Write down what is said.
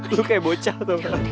lu kayak bocah tuh